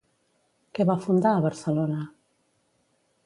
Què va fundar a Barcelona?